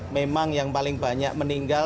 memang yang paling banyak meninggal